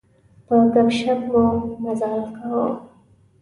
په ګپ شپ مو مزال کاوه.